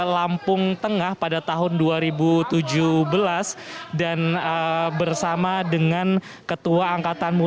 lampu lampu lampu